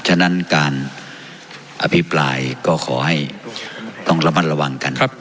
ฉะนั้นการอภิปรายก็ขอให้ต้องระมัดระวังกัน